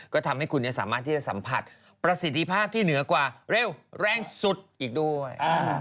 ก็ทำให้คุณสามารถที่จะสัมผัสประสิทธิภาพที่เหนือกว่าเร็วแรงสุดอีกด้วย